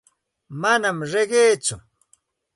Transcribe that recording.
Manam riqiitsu.